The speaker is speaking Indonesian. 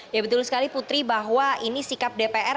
ya betul sekali putri bahwa ini sikap dpr